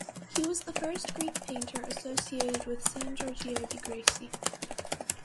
He was the first Greek painter associated with San Giorgio dei Greci.